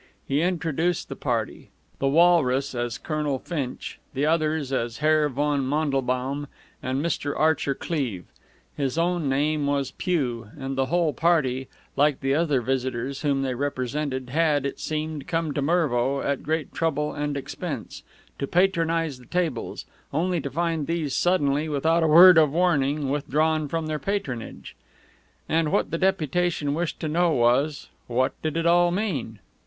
He introduced the party the walrus as Colonel Finch, the others as Herr von Mandelbaum and Mr. Archer Cleeve. His own name was Pugh, and the whole party, like the other visitors whom they represented, had, it seemed, come to Mervo, at great trouble and expense, to patronize the tables, only to find these suddenly, without a word of warning, withdrawn from their patronage. And what the deputation wished to know was, What did it all mean?